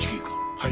はい。